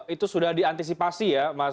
itu sudah diantisipasi ya mas